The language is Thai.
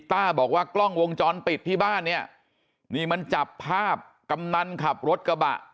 ต้าบอกว่ากล้องวงจรปิดที่บ้านเนี่ยนี่มันจับภาพกำนันขับรถกระบะ